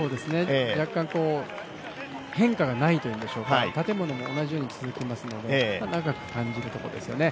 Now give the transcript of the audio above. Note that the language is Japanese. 若干変化がないというんでしょうか、建物も同じように続きますので、長く感じるところですよね。